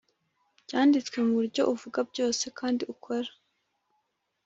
byanditswe mubyo uvuga byose kandi ukora.